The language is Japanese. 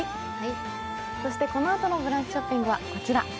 このあとの「ブランチ」ショッピングはこちら。